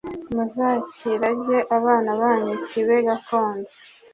muzakirage abana banyu kibe gakondo